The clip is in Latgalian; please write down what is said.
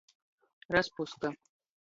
Raspuska.